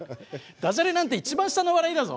ダジャレなんて一番下の笑いだぞ。